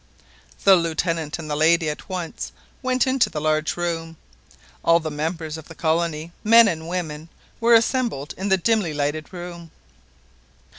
The Lieutenant and the lady at once went into the large room. All the members of the colony, men and women, were assembled in the dimly lighted room.